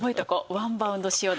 ワンバウンド塩ですね。